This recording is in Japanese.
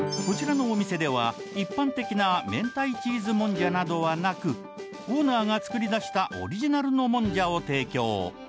こちらのお店では一般的な明太チーズもんじゃなどはなくオーナーが作り出したオリジナルのもんじゃを提供